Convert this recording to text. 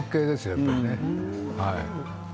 やっぱりね。